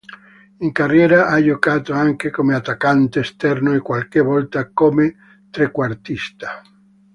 In carriera ha giocato anche come attaccante esterno e qualche volta come trequartista.